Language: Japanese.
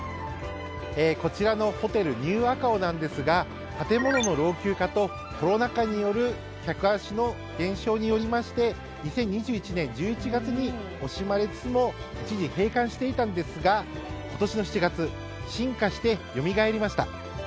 こちらのホテルニューアカオなんですが建物の老朽化と、コロナ禍による客足の減少によりまして２０２１年１１月に惜しまれつつも一時閉館していたんですが今年の７月進化して、よみがえりました！